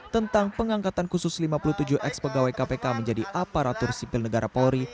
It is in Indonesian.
tentang pengangkatan khusus lima puluh tujuh ex pegawai kpk menjadi aparatur sipil negara polri